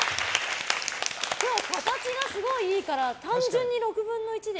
今日、形がすごいいいから単純に６分の１で。